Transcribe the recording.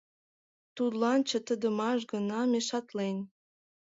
Тудлан чытыдымаш гына мешатлен.